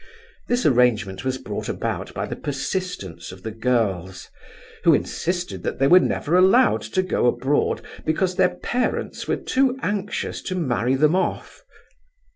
This arrangement was brought about by the persistence of the girls, who insisted that they were never allowed to go abroad because their parents were too anxious to marry them off.